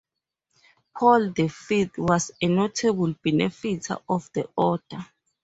Paul the Fifth was a notable benefactor of the order.